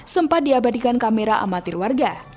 sempat diabadikan kamera amatir warga